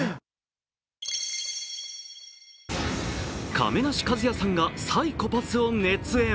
亀梨和也さんがサイコパスを熱演。